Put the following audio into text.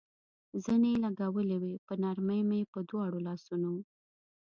زنې لګولې وې، په نرمۍ مې په دواړو لاسونو.